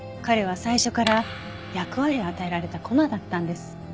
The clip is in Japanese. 彼は最初から役割を与えられた駒だったんです。